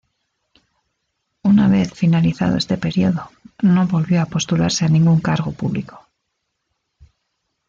Una vez finalizado este periodo, no volvió a postularse a ningún cargo público.